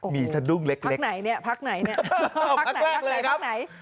มีสะดุ้งเล็กพักไหนเนี่ยพักแรกเลยครับ